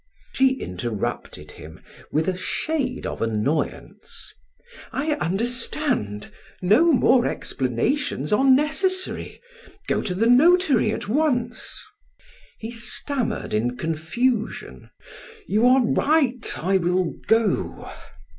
She interrupted him with a shade of annoyance: "I understand. No more explanations are necessary. Go to the notary at once." He stammered in confusion: "You are right; I will go."